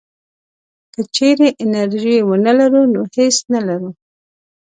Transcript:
که چېرې انرژي ونه لرو نو هېڅ نه لرو.